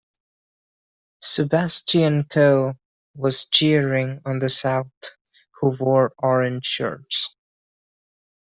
Sebastion Coe was cheering on the South, who wore Orange shirts.